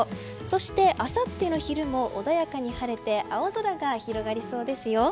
そして、あさっての昼も穏やかに晴れて青空が広がりそうですよ。